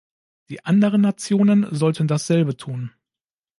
Die anderen Nationen sollten dasselbe tun.